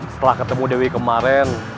setelah ketemu dewi kemarin